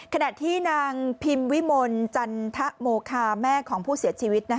ขณะที่นางพิมวิมลจันทะโมคาแม่ของผู้เสียชีวิต